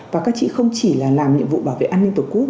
và các chị không chỉ là làm nhiệm vụ bảo vệ an ninh tổ quốc